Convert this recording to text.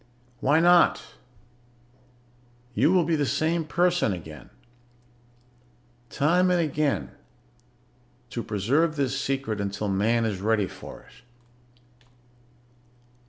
Why not? You'll be the same person again. Time and again, to preserve this secret until Man is ready for it.